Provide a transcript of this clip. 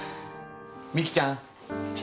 美紀ちゃん！